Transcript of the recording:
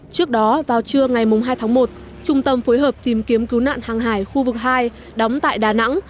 trước đó vào trưa ngày hai tháng một trung tâm phối hợp tìm kiếm cứu nạn hàng hải khu vực hai đóng tại đà nẵng